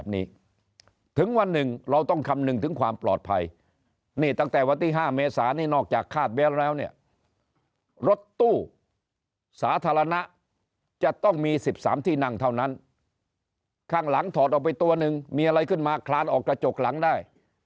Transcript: นี่ตั้งแต่วันที่ห้าเมษานี่นอกจากคาดแบบแล้วเนี้ยรถตู้สาธารณะจะต้องมีสิบสามที่นั่งเท่านั้นข้างหลังถอดออกไปตัวหนึ่งมีอะไรขึ้นมาคลานออกกระจกหลังได้